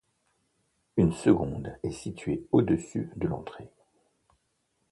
Une seconde est située au-dessus de l'entrée.